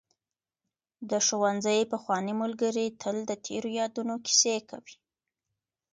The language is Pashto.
د ښوونځي پخواني ملګري تل د تېرو یادونو کیسې کوي.